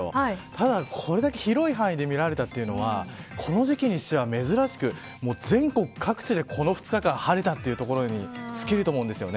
ただ、これだけ広い範囲で見られたというのはこの時期にしては珍しく全国各地でこの２日間晴れたというところに尽きると思うんです。